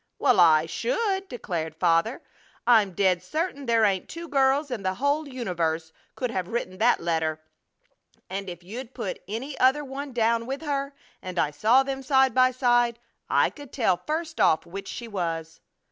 "Well I should!" declared Father. "I'm dead certain there ain't two girls in the whole universe could have written that letter, and if you'd put any other one down with her, and I saw them side by side, I could tell first off which she was!"